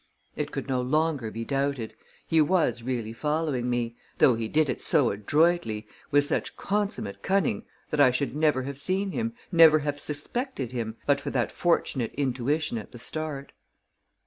It could no longer be doubted. He was really following me, though he did it so adroitly, with such consummate cunning, that I should never have seen him, never have suspected him, but for that fortunate intuition at the start.